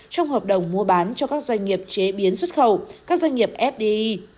trong hợp đồng mua bán cho các doanh nghiệp chế biến xuất khẩu các doanh nghiệp fdi